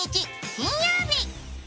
金曜日。